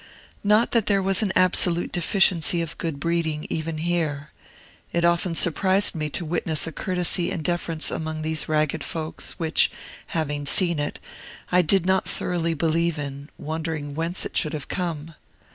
Not that there was an absolute deficiency of good breeding, even here. It often surprised me to witness a courtesy and deference among these ragged folks, which, having seen it, I did not thoroughly believe in, wondering whence it should have come.